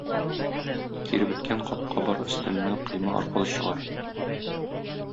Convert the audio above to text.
Киребеткән капка бар өстеннән койма аркылы чыгар.